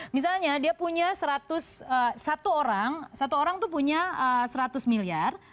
misalnya dia punya satu ratus satu orang satu orang itu punya seratus miliar